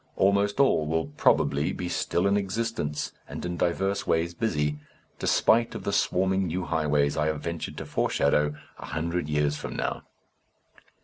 Almost all will probably be still in existence and in divers ways busy, spite of the swarming new highways I have ventured to foreshadow, a hundred years from now.